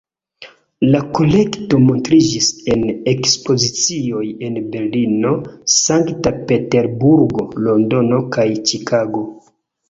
La kolekto montriĝis en ekspozicioj en Berlino, Sankt-Peterburgo, Londono kaj Ĉikago.